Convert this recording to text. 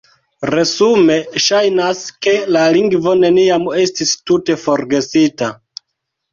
Resume, ŝajnas, ke la lingvo neniam estis tute forgesita.